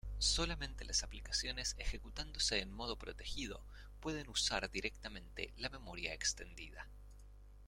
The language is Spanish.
Solamente las aplicaciones ejecutándose en modo protegido pueden usar directamente la memoria extendida.